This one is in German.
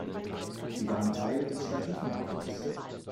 Die waren Teil des Statutenentwurfs.